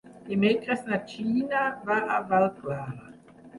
Dimecres na Gina va a Vallclara.